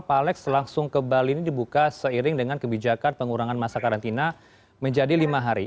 pak alex langsung ke bali ini dibuka seiring dengan kebijakan pengurangan masa karantina menjadi lima hari